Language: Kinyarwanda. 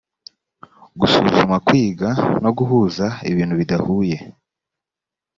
gusuzuma kwiga no guhuza bintu bidahuye